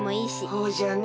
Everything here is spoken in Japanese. そうじゃね